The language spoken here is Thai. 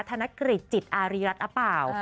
ธนกฤษจิตอารีรัฐหรือเปล่า